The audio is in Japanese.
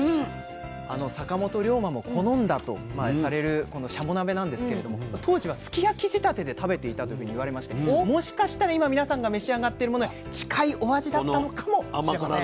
あの坂本龍馬も好んだとされるこのシャモ鍋なんですけれども当時はすき焼き仕立てで食べていたというふうにいわれましてもしかしたら今皆さんが召し上がってるものに近いお味だったのかもしれません。